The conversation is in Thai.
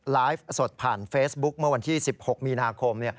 ไลฟ์สดผ่านเฟซบุ๊คเมื่อวันที่๑๖มีนาคม